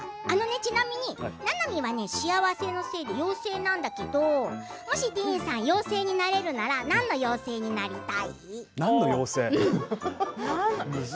ちなみに、ななみは幸せの精で妖精なんだけどもしディーンさん、妖精になれるなら何の妖精になりたい？